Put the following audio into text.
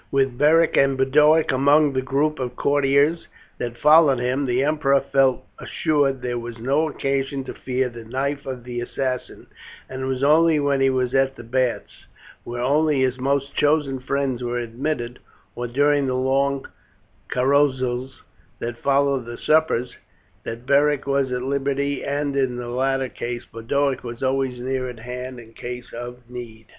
With Beric and Boduoc among the group of courtiers that followed him, the emperor felt assured there was no occasion to fear the knife of the assassin; and it was only when he was at the baths, where only his most chosen friends were admitted, or during the long carousals that followed the suppers, that Beric was at liberty, and in the latter case Boduoc was always near at hand in case of need.